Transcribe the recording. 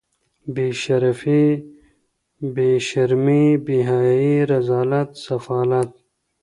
بې شرفي بې شرمي بې حیايي رذالت سفالت